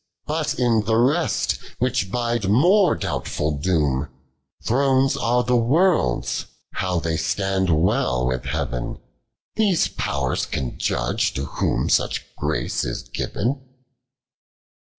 But in the rest, which bide more doubtful doom : Thrones are the world's, how they stand wel Avith heaven, Those pow'rs can iudge to whom such "race is given.